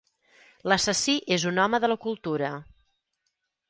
L'assassí és un home de la cultura.